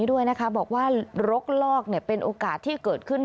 พาพนักงานสอบสวนสนราชบุรณะพาพนักงานสอบสวนสนราชบุรณะ